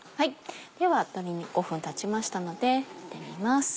では鶏肉５分たちましたので見てみます。